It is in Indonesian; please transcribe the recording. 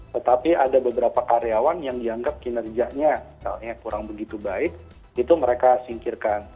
tetapi ada beberapa karyawan yang dianggap kinerjanya kurang begitu baik itu mereka singkirkan